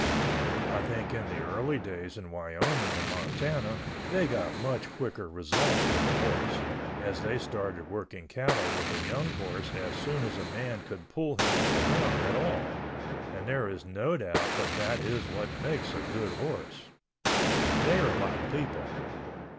I think in the early days in Wyoming and Montana they got much quicker results with a horse, as they started working cattle with a young horse as soon as a man could pull him around at all, and there is no doubt but that is what makes a good horse. They are like people.